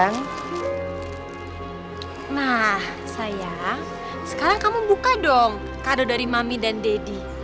nah sayang sekarang kamu buka dong kado dari mami dan deddy